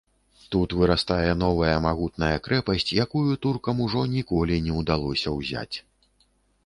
Тут вырастае новая магутная крэпасць, якую туркам ужо ніколі не ўдалося ўзяць.